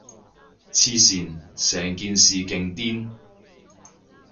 黐線，成件事勁癲